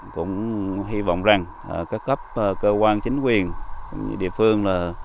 cũng hy vọng rằng các cấp cơ quan chính quyền địa phương là